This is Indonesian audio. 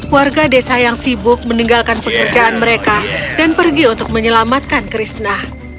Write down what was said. warga desa yang sibuk meninggalkan pekerjaan mereka dan pergi untuk menyelamatkan krishna